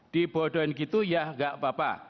dibodohin gitu ya nggak apa apa